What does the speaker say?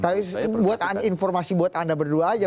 saya perhatikan buat informasi buat anda berdua aja